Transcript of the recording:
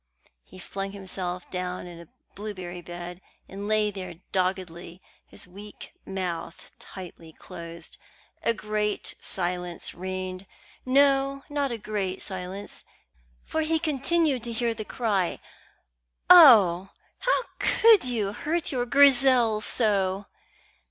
He flung himself down in a blaeberry bed, and lay there doggedly, his weak mouth tightly closed. A great silence reigned; no, not a great silence, for he continued to hear the cry: "Oh, how could you hurt your Grizel so!"